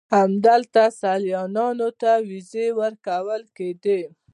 همدلته سیلانیانو ته ویزې ورکول کېدې.